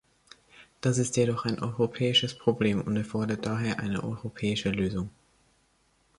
Das ist jedoch ein europäisches Problem und erfordert daher auch eine europäische Lösung.